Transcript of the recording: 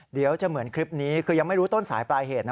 เดี๋ยวจะเหมือนคลิปนี้คือยังไม่รู้ต้นสายปลายเหตุนะ